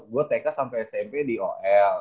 gue tk sampai smp di ol